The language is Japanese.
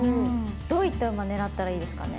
どういった馬狙ったらいいですかね？